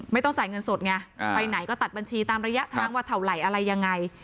ไม่ต้องจ่ายเงินสดไงไปไหนก็ตัดบัญชีตามระยะทางว่าเท่าไหร่อะไรยังไง